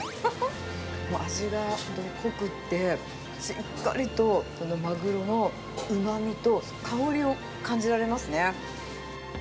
味が濃くって、しっかりとマグロのうまみと香りを感じられますね。